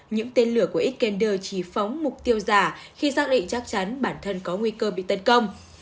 những tên lửa của ecelder chỉ phóng mục tiêu giả khi xác định chắc chắn bản thân có nguy cơ bị tấn công